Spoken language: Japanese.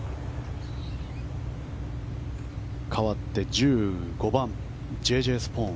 かわって１５番Ｊ・Ｊ・スポーン。